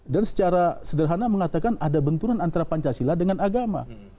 dan secara sederhana mengatakan ada benturan antara pancasila dengan agama